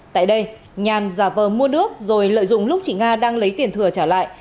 tại đây nhàn giả vờ mua nước rồi lợi dụng lúc chị nga đang lấy tiền thừa trả lại